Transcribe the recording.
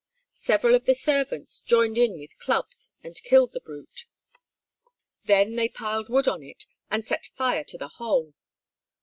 Several of the servants joined in with clubs and killed the brute. They then piled wood on it and set fire to the whole.